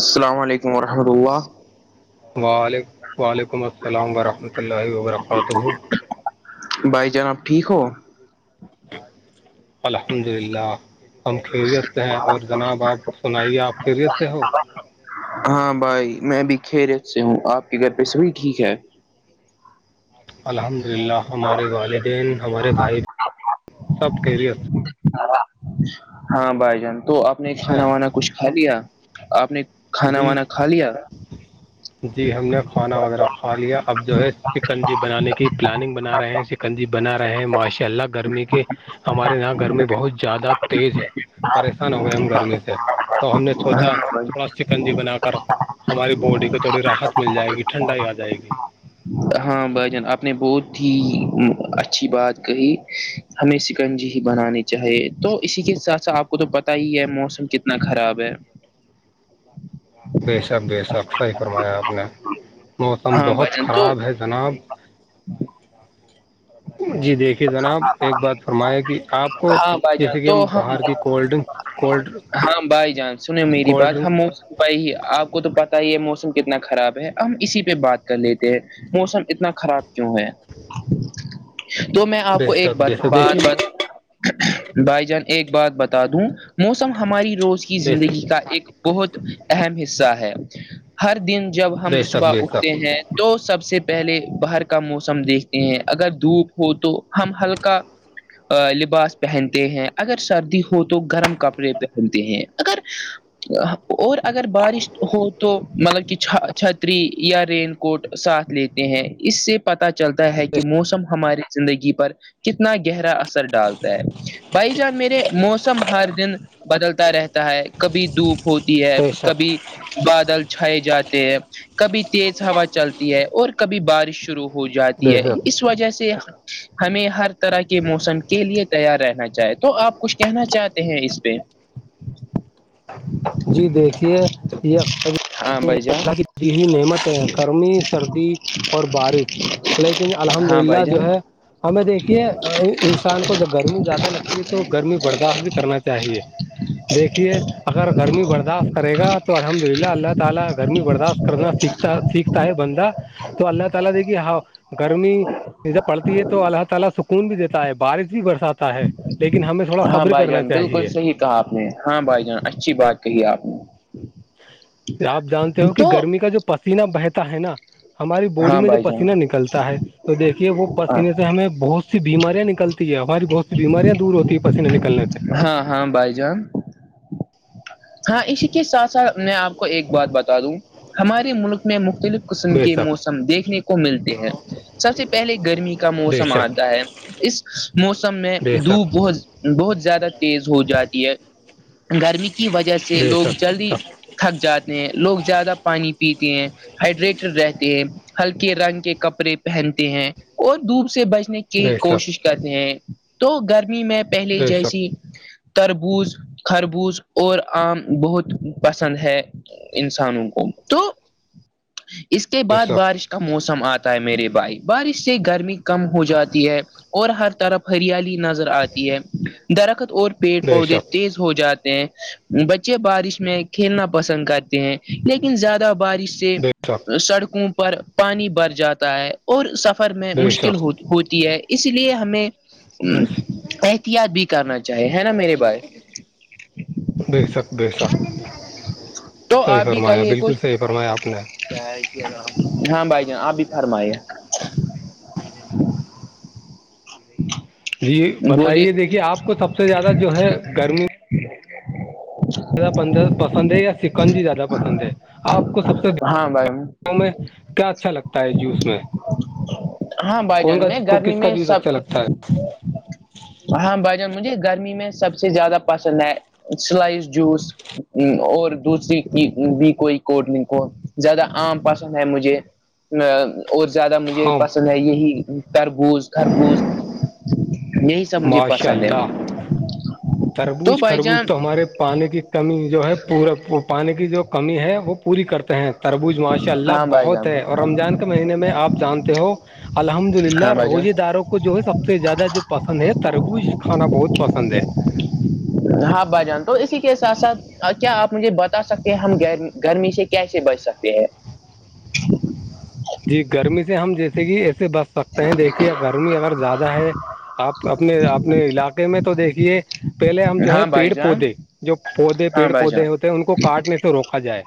السلام علیکم ورحمۃ اللہ وعلیکم وعلیکم السلام ورحمۃ اللہ وبرکاتہ بھائی جناب ٹھیک ہو الحمد للہ ہم خیریت سے ہیں اور جناب آپ سنائیے آپ خیریت سے ہو ہاں بھائی میں بھی خھیریت سے ہوں آپ کے گھر پہ سبھی ٹھیک ہے الحمد للہ ہمارے والدین ہمارے بھائی سب خیریت ہاں بھائی جان تو آپ نے سے ہیں کھانا وانا کچھ کھا لیا آپ نے کھانا وانا کھا لیا جی جی ہم نے کھانا وغیرہ کھا لیا اب جو ہے چکن ج بنانے کی پلاننگ بنا رہے ہیں کنجی بنا رہے ہیں ماشاء اللہ گرمی کے ہمارے یہاں گرمی بہت زیادہ تیز ہے پریشان ہو گئے ہم گرمی سے تو ہم نے سوچا ہاں بھائی تھوڑا سکنجی بنا کر ہماری باڈی کو تھوڑی راحت مل جائے گی ٹھنڈائی ہی آ جائے گی ہاں بھائیجان آپ نے بہت ہی اچھی بات کہی ہمیں سکنجی ہی بنانی چاہیے تو اسی کے ساتھ ساتھ آپ کو تو پتا ہی ہے موسم کتنا خراب ہے بے شک بے شک صحیح فرمایا آپ نے موسم ہاں بھائی بہت جان تو خراب ہے جناب جی دیکھیے جناب ایک بات فرمایا کہ آپ کو ہاں بھائی جان جیسے کہ تو ہم باہر کی کولڈ ڈرنک کولڈ ہاں بھائی جان سنے میری کولڈ بات ہم ڈرنک بائی آپ کو تو پتا ہی یہ موسم کتنا خراب ہے ہم اسی پہ بات کر لیتے ہیں موسم اتنا خراب کیوں ہے تو میں آپ بے کو ایک شک بے بات شک بات دیکھیے بات بھائی جان ایک بات بتا دوں موسم ہماری روز کی بے زندگی شک کا ایک بہت اہم حصہ ہے ہر دن جب ہم بے شک صبح بے شک اٹھتے ہیں تو سب سے پہلے باہر کا موسم دیکھتے ہیں اگر دھوپ ہو تو ہم ہلکا ا لباس پہنتے ہیں اگر سردی ہو تو گرم کپڑے پہنتے ہیں اگر اور اگر بارش ہو تو مطلب کہ چ چھتری یا رین کوٹ ساتھ لیتے ہیں اس سے پتا چلتا ہے کہ موسم ہماری زندگی پر کتنا گہرا اثر ڈالتا ہے بھائی جان میرے موسم ہر دن بدلتا رہتا ہے کبھی دھوپ ہوتی ہے بے شک کبھی بادل چھائے جاتے ہیں کبھی تیز ہوا چلتا ہے اور کبھی بارش شروع ہو جاتی بے ہے شک اس وجہ سے ہمیں ہر طرح کے موسم کے لیے تیار رہنا چاہے تو آپ کچھ کہنا چاہتے ہیں اس پہ جی دیکھیے یہ قبھی ہاں بھائی جان کی دی دی ہوئی نعمت ہیں گرمی سردی اور بارش لیکن الحمد ہاں بھائی للہ جان جو ہے ہمیں دیکھیے انسان کو کو جب گرمی زیادہ لگتی ہے تو گرمی برداشت بھی کرنا چاہیے دیکھیے اگر گرمی برداشت کرے گا تو الحمد للہ اللہ تعالی گرمی برداشت کرنا سیکھتا سیکھتا ہے بندہ تو اللہ تعالی دیکھیے گرمی جب پڑتی ہے تو اللہ تعالی سکون بھی دیتا ہے بارش بھی برساتا ہے لیکن ہمیں تھوڑا ہاں سبر بھائی کرنا جان بالکل چاہیے صحیح کہا آپ نے ہاں بھائی جان اچھی بات کہی آپ نے آپ جانتے ہو کہ تو گرمی کا جو پسیینہ بہتا ہے نا ہماری باڈی ہاں میں جو بھائی جان پسینہ نکلتا ہے تو دیکھیے وہ پسینے سے ہمیں بہت سی بیماریاں نکلتی ہے ہماری بہت سی بیماریاں دور ہوتی ہے پسینے نکلنے سے ہاں ہاں بائی جان ہاں اسی کے ساتھ ساتھ ایک بات بتا دوں ہمارے ملک میں مختلف قسم بے کے شک موسم دیکھنے کو ملتے ہیں سب سے پہلے گرمی کا بے موسم شک آتا ہے اس موسم میں بے دھوپ شک بہت بہت زیادہ تیز ہو جاتی ہے گرمی کی وجہ سے بے لوگ شک جلدی تھک جاتے ہیں لوگ زیادہ پانی پیتے ہیں ہائڈریٹڈ رہتے ہیں ہلکے رنگ کے کپڑے پہنتے ہیں اور دھوپ سے بچنے کی بے شک کوشش کرتے ہیں تو گرمی میں پہلے بے شک جیسی تربوز خربوز اور آم بہت پسند ہے انسانوں کو تو اس کے بے بعد شک بارش کا موسم آتا ہے میرے بھائی بارش سے گرمی کم ہو جاتی ہے اور ہر طرف ہریالی نظر آتی ہے درخت اور پیڑ بے پودے شک تیز ہو جاتے ہیں بچے بارش میں کھیلنا پسند کرتے ہیں لیکن زیادہ بارش سے بے شک سڑکوں پر پانی بھر جاتا ہے اور سفر میں بے مشکل شک ہو ہوتی ہے اس لیے ہمیں بے احتیاط بھی کرنا چاہے ہے نا میرے بائے سخ بی سخ تو صحیح آپ بھی فرمایا کہیے بالکل کچھ صحیح فرمایا آپ نے کیا کیا ہاں بھائی جان آپ بھی فرمائیے جی بولیے بتائیے دیکھیے آپ کو سب سے زیادہ جو ہے گرمی ہی پسند ہے یا چکن جی زیادہ پسند ہے آپ کو سب سے ہاں بھائی میں کیا اچھا لگتا ہے جوس میں ہاں بھائی کون جان کا میں کو گرمی کس کا میں جیس اچھا سب لگتا ہے ہاں بھائی جان مجھے گرمی میں سب سے زیادہ پسند ہے سلائس جوس اور دوسری بھی کوئی کوٹ لن کو زیادہ عام پسند ہے مجھے اور زیادہ مجھے ہاں پسند ہے یہی تربوز خربوز یہی سب مجھے پسند ہے تو تربوج بھائی خربوج جان تو ہمارے پانی کی کمی جو ہے پورا پانی کی جو کمی ہے وہ پوری کرتے ہیں تربوز ماشاء اللہ ہاں بھائی بہت جان ہے اور رمضان کے مہینے میں آپ جانتے ہو الحمد للہ ہاں بھائی جان روزے داروں کو جو ہے سب سے زیادہ جو پس یں تربوز کھانا بہت پسند ہے با جان تو اسی کے ساتھ ساتھ اور کیا آپ مجھے بتا سکتے ہیں ہم گ گرمی سے کیسے بچ سکتے ہیں جی گرمی سے ہم جیسے کہ ایسے بچ سکتے ہیں دیکھیے گرمی اگر زیادہ ہے آپ اپنے اپنے علاقے میں تو دیکھیے پہلے ہم جو ہے ہاں بھائی پیڑ جان پودے جو پودے ہاں پیڑ بھائی جان پودے ہوتے ان کو کاٹنے سے روکا جائے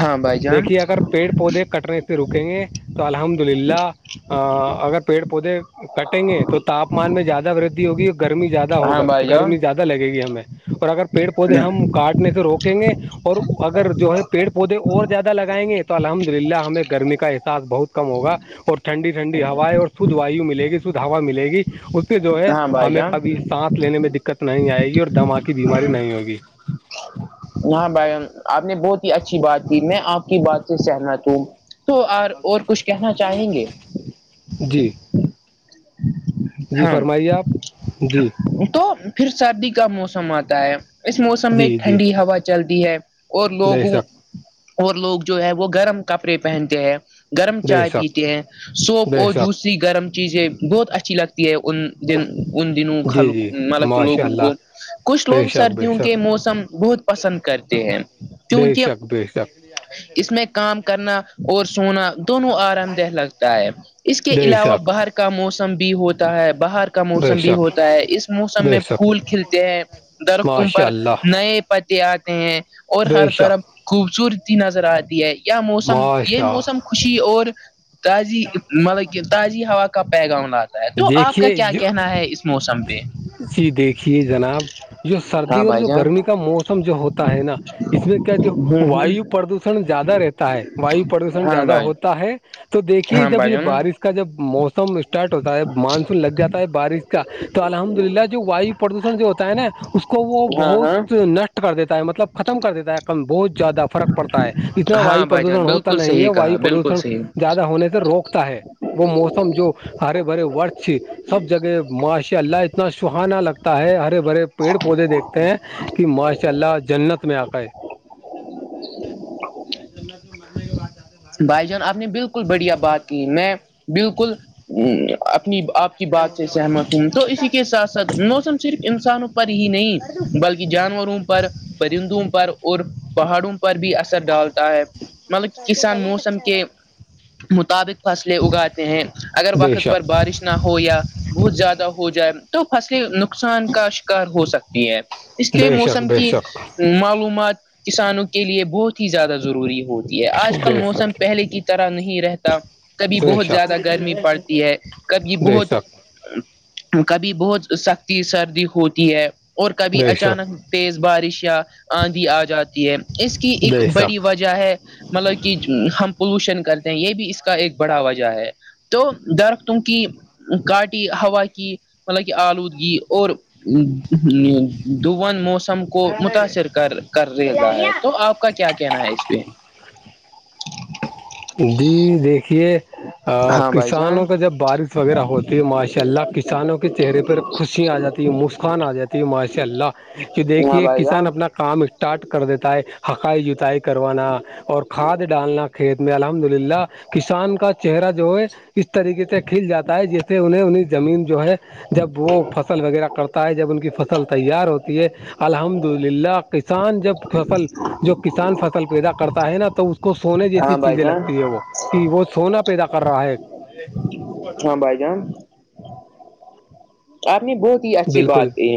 ہاں بھائی جان دیکھیے اگر پیڑ پودے کٹنے سے روک رکیں گے تو الحمد للہ اگر پیڑ پودے کٹیں گے تو تاپمان میں زیادہ ودھی ہوگی گرمی زیادہ ہاں ہوگا بھائی جان گرمی زیادہ لگے گی ہمیں اور اگر پیڑ پودے ہم کاٹنے سے روک کہیں گے اور اگر جو ہے پیڑ پودے اور زیادہ لگائیں گے تو الحمد للہ ہمیں گرمی کا احساس بہت کم ہوگا اور ٹھنڈی ٹھنڈی ہوایں اور شدھ واو مل گی شدھ ہوا مل گی سے جو ہے ہاں بھائی ہمیں جان کبھی سانس لینے میں دقت نہیں آئے گی اور دما کی بیماری نہیں ہوگی جی جی ہاں بھائی آپ نے بہت ہی اچھی بات کی میں آپ کی بات سے سہمت ہوں تو اور اور کچھ کہنا چاہیں گے جی جی ہاں فرمائیے آپ جی تو پھر سردی کا موسم آتا ہے اس موسم میں جی جی ٹھنڈی ہوا چلتی ہے اور بے لوگوں شک اور لوگ جو ہے وہ گرم کپڑے پہنتے ہیں گرم بے چائے شک پیتے ہیں سوپ بے اور شک دوسری گرم چیزیں بہت اچھی لگتی ہے ان دن کون دنوں جی خالو جی مطلب کی ماشاء لوگوں کو اللہ کچھ بے لوگ شک بے سردیوں شک کے موسم بہت پسند کرتے ہیں بے کیونکہ شخ بے شخ اس میں کام کرنا اور سونا دونوں آرام دہ لگتا ہے اس کے بے علاوہ شک باہر کا موسم بھی ہوتا ہے باہر کا بے موسم بھی شک ہوتا ہے اس موسم بے میں شک پھول کھلتے ہیں درختوں ماشاء پر اللہ نئے پتے آتے ہیں اور بے ہر شک طرف خوبصورتی نظر آتی ہے موسم یہ ماشاء موسم خوشی اور تازی مطلب کہ تازی ہوا کا پیغام لات تو آپ کا دیکھیے کیا جو کہنا ہے اس موسم پہ جی دیکھیے جناب جو سردی ہاں اور بھائی جو جان گرمی کا موسم جو ہوتا ہے نا اس میں کیا جو ہوں ہ وایو پردوشن زیادہ رہتا ہے وایو پردوشن ہاں زیادہ بھائی ہوتا ہے تو دیکھیے ہاں جب بھائی یہ جان بارش کا جب موسم اسٹارٹ ہوتا ہے مانسون لگ جاتا ہے بارش کا تو الحمد للہ جو وایو پردوشن سے ہوتا ہے نا اس کو وہ ہاں ہاں بہت نش کر دیتا ہے مطلب ختم کر دیتا ہے بہت زیادہ فرق پڑتا ہے اتنا وایو ہاں بھائی پردوشن جان ہوتا بالکل نہیں ہے صحیح کہا وایو بالکل پردوشن صحیح زیادہ ہونے سے روکتا ہے وہ موسم جو ہرے بھرے ورش سب جگہ ماشاء اللہ اتنا سہانا لگتا ہے ہرے بھرے پیڑ پودے دیکھتے ہیں کہ ماشاء اللہ جنت میں آ کرئے جات یہ ج [inaudible] بھائی جان آپ نے بالکل بڑھیا بات کی میں بالکل اپنی آپ کی بات سے سہمت ہوں تو اسی کے ساتھ ساتھ موسم صرف انسانوں ہی نہیں بلکہ جانوروں پر پرندوں پر اور پہاڑوں پر پر بھی اثر ڈالتا ہے مطلب سان موسم کے مطابق فصلیں اگاتے ہیں اگر بے وقت پر شک بات بارش نہ ہو یا بہت زیادہ ہو جائے تو فصلیں نقصان کا شکار ہو سکتا ہے اس کے بے شک موسم بے کی شک معلومات کسانوں کے لیے بہت ہی زیادہ ضروری ہوتی ہے آج کل بے موسم شک پہلے کی طرح نہیں رہتا کبھی بہت زیادہ گرمی پڑتی ہے کبھی د بہت سک [unintelligible] کبھی بہت سختی سردی ہوتی ہے اور کبھی بے شک اچانک تیز بارش یا آندھی آ جاتی ہے اس کی ایک بے بڑی شک وجہ ہے مطلب کہ ہم پولوشن کرتے ہیں یہ بھی اس کا ایک بڑا وجہ ہے تو درختوں کی کاٹی ہوا کی مطلب کہ آلودگی اور دند موسم کو متاثر کر کر رہے گا ہے تو آپ کا کیا کہنا ہے اس پ جی دیکھیے ہاں بھائی جان کسانوں کا جب بارش وغیرہ ہوتی ہے ماشاء اللہ کسانوں کے چہرے پہ خوشیا آ جاتی ہے مفت خان آ جاتی ہے ماشاء اللہ جو ہاں دیکھیے بھائی کسان جان اپنا کام اسٹارٹ کر دیتا ہے ہقائی جتائی کروانا اور کھاد ڈالنا کھیت میں الحمد للہ کسان کا چہرہ جو ہے اس طریقے سے کھل جاتا ہے جس سے انہیں انہیں زمین جو ہے جب وہ فصل وغیرہ کرتا ہے جب ان کی فصل تیار ہوتی ہے الحمد للہ کسان جب فصل جو کسان فصل پیدا کرتا ہے نا تو اس کو سونے جیسے ہاں بھائی جان ہے وہ کہ وہ سونا پیدا کر رہا ہے ہاں بھائی جان آپ نے بہت ہی اچھی بالکل بات کہ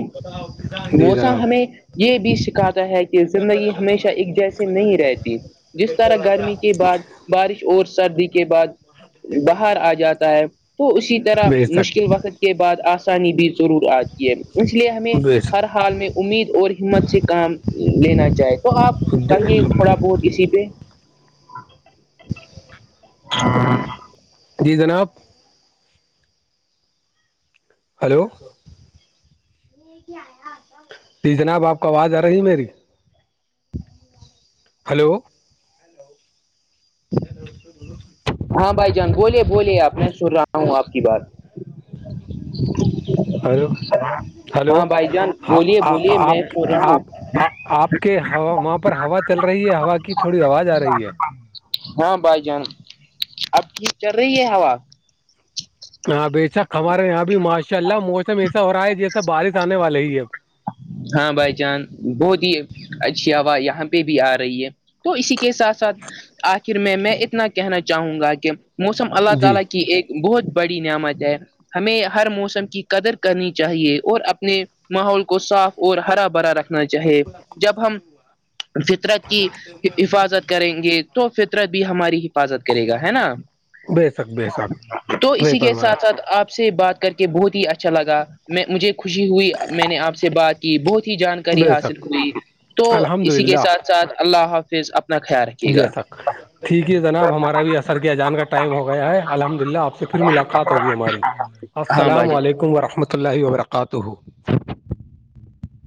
جی موسم جناب ہمیں یہ بھی سکھاتا ہے کہ زندگی ہمیشہ ایک جیسی نہیں رہتی جس طرح گرمی کے بعد بارش اور سردی کے بعد باہر آ جاتا ہے تو اسی طرح بے شک مشکل وقت کے بعد آس بھی ضرور آتی ہے اس لیے ہمیں بے ہر شک حال میں امید اور ہمت سے کام لینا چاہے تو آپ کہیے تھوڑا بہت اسی پہ ہاں [inaudible] جی جناب ہلو جی جناب آپ کو آواز آ رہی ہے میری ہلو [unintelligible] ہاں بھائی جان بولے بولے آپ میں سن رہا ہوں آپ کی بات اور ہیلو ہاں بھائی جان بولیے بولیے میں آپ سن رہا آپ ہوں آپ کے ہو پر ہوا چل رہی ہے ہوا کی تھوڑی آواز آ رہی ہے ہاں بھائی جان اب کی چل رہی ہے ہوا ہاں بے شک ہمارے یہاں بھی ماشاء اللہ موسم ایسا ہو رہا ہے جیسا بارش آنے والا ہی اب ہاں بھائی جان بہت ہی اچھی ہوا یہاں پہ بھی آ رہی ہے تو اسی کے ساتھ ساتھ آخر میں میں اتنا کہنا چاہوں گا کہ جی [inaudible] ہمیں ہر موسم کی قدر کرنی چاہیے اور اپنے ماحول کو صاف اور ہرا برا رکھنا چاہے جب ہم فطرت کی حفاظت کریں گے تو فطرت بھی ہماری حفاظت کرے گا ہے نا بے شک بے شک تو بے اسی کے فرمایا ساتھ ساتھ آپ سے بات کر کے بہت ہی اچھا لگا میں مجھے خوشی ہوئی میں نے آپ سے بات کی بہت ہی جانکاری بے حاصل شک ہوئی تو الحمد اسی کے للہ ساتھ ساتھ اللہ حافظ اپنا خیال رکھیے جی گا سک ٹھیک ہے جناب ہمارا بھی اثر کیا ا جان کا ٹائم ہو گیا ہے الحمد للہ آپ سے پھر ملاقات ہوگی ہماری ہاں بھائی السلام علیکم ورحمۃ اللہ وبرکاتہ